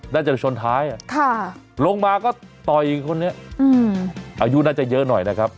น่าจะไปชนท้ายค่ะลงมาก็ต่ออีกคนนี้อิอยู่น่าจะเยอะแน่นะครับ